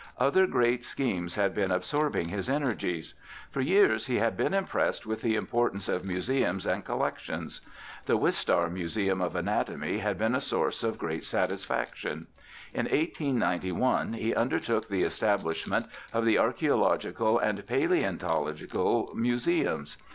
Other great schemes had been absorbing his energies. For years he had been impressed with the importance of museums and collec tions. The Wistar Museum of Anatomy had been a source of great satisfaction. In 1891 he undertook the establishment of the Archaeological and Palaeon tological Museums.